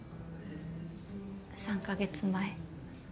３か月前。